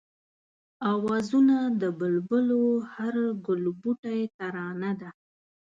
آوازونه د بلبلو هر گلبوټی ترانه ده